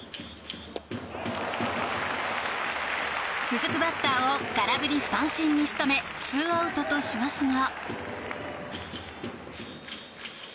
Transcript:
続くバッターを空振り三振に仕留め２アウトとしますが。